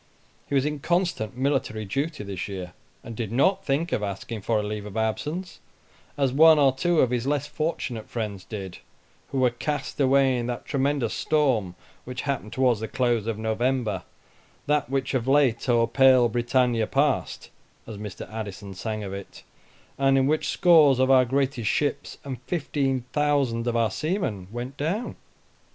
He was in constant military duty this year, and did not think of asking for a leave of absence, as one or two of his less fortunate friends did, who were cast away in that tremendous storm which happened towards the close of November, that "which of late o'er pale Britannia past" (as Mr. Addison sang of it), and in which scores of our greatest ships and 15,000 of our seamen went down.